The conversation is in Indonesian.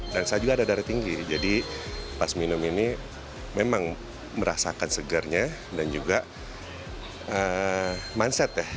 dan saya juga ada darah tinggi jadi pas minum ini memang merasakan segarnya dan juga mindset ya